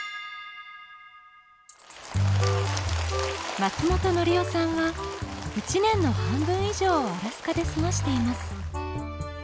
松本紀生さんは１年の半分以上をアラスカで過ごしています